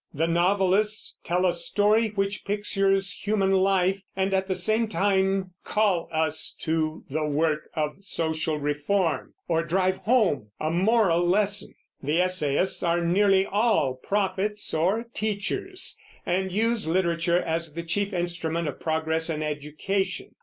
The novelists tell a story which pictures human life, and at the same time call us to the work Of social reform, or drive home a moral lesson. The essayists are nearly all prophets or teachers, and use literature as the chief instrument of progress and education.